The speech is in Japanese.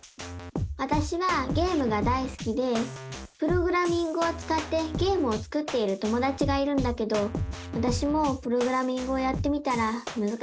わたしはゲームがだいすきでプログラミングをつかってゲームを作っている友だちがいるんだけどわたしもプログラミングをやってみたらむずかしくて。